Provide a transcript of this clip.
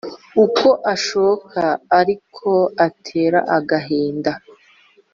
Uko ashoka aliko atera agahinda.